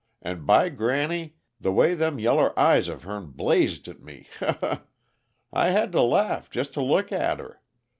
And, by granny! the way them yeller eyes of hern blazed at me he he! I had to laugh, jest to look at her.